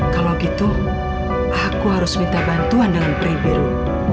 kalau begitu aku harus minta bantuan dengan pri biru